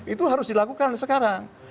itu harus dilakukan sekarang